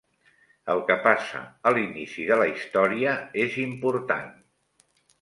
El que passa a l'inici de la història és important.